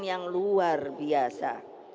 yang luar biasa